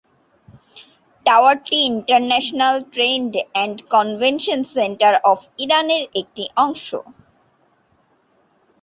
টাওয়ারটি "international trade and convention centre of ইরানের" একটি অংশ।